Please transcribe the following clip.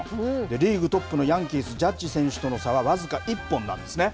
リーグトップのヤンキース、ジャッジ選手との差は僅か１本なんですね。